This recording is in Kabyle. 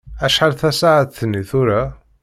Acḥal tasaɛet-nni tura?